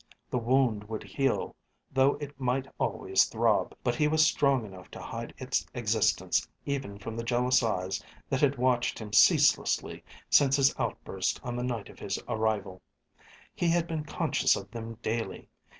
The wound would heal though it might always throb, but he was strong enough to hide its existence even from the jealous eyes that had watched him ceaselessly since his outburst on the night of his arrival. He had been conscious of them daily.